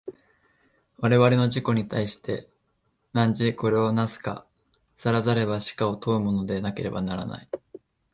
我々の自己に対して、汝これを為すか然らざれば死かと問うものでなければならない。